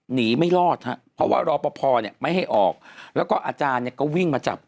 หนีไม่รอดครับเพราะว่ารอพอไม่ให้ออกแล้วก็อาจารย์ก็วิ่งมาจับ